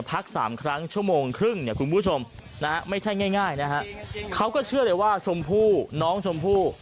พักสามครั้งชั่วโมงครึ่งเนี่ยคุณผู้ชมนะฮะไม่ใช่ง่ายนะฮะเขาก็เชื่อเลยว่าชมพู่น้องชมพู่